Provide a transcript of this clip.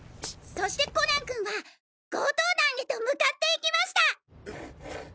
「そしてコナン君は強盗団へと向かって行きました」。